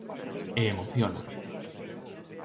E emociona.